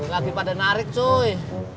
lagi pada narik cuy